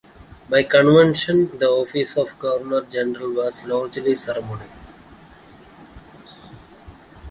By convention, the Office of Governor-General was largely ceremonial.